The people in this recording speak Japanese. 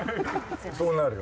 そうなるよ